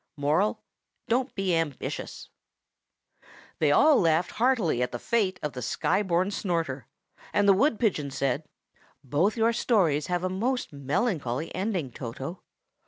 Moral: don't be ambitious. They all laughed heartily at the fate of the Sky born Snorter; and the wood pigeon said, "Both your stories have a most melancholy ending, Toto.